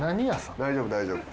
大丈夫大丈夫。